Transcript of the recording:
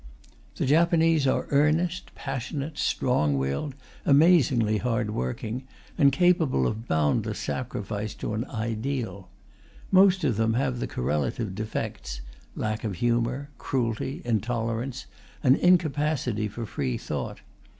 The Japanese are earnest, passionate, strong willed, amazingly hard working, and capable of boundless sacrifice to an ideal. Most of them have the correlative defects: lack of humour, cruelty, intolerance, and incapacity for free thought.